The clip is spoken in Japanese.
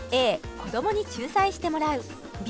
子どもに仲裁してもらうＢ